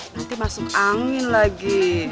nanti masuk angin lagi